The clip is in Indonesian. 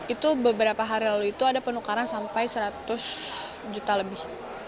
itu beberapa hari lalu itu ada penukaran sampai seratus juta lebih